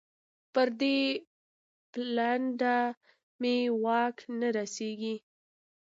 پر دې پلنډه مې واک نه رسېږي.